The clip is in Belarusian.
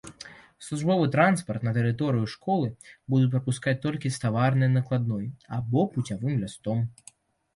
Службовы транспарт на тэрыторыю школы будуць прапускаць толькі з таварнай накладной або пуцявым лістом.